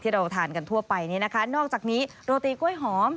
เราทานกันทั่วไปนี่นะคะนอกจากนี้โรตีกล้วยหอม